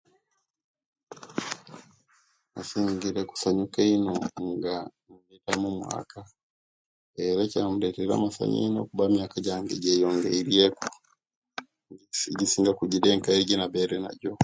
Nasingire kusanyuka eino nga mbita mumwaka era echandeteire amasanyu eino kuba emaika jange jeyongerieku okusinga singa ku jidi ekaiire jenabereire naajo